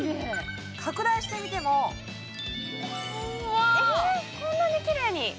拡大してみてもこんなにきれいに。